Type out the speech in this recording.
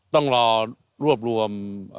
ต้องรอรวบรวม